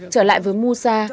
trở lại với musa